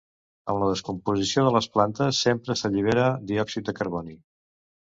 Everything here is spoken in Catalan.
Amb la descomposició de les plantes sempre s'allibera diòxid de carboni.